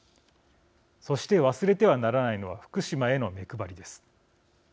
そして、忘れてはならないのは福島への目配りです。